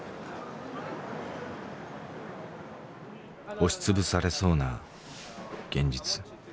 押しつぶされそうな現実。